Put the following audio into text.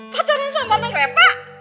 pacaran sama nek reva